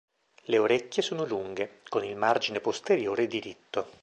Le orecchie sono lunghe, con il margine posteriore diritto.